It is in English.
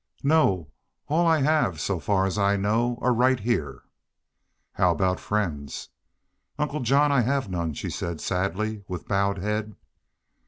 "No. All I have, so far as I know, are right heah." "How aboot friends?" "Uncle John, I have none," she said, sadly, with bowed head.